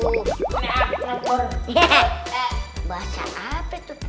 hahaha bahasa apa itu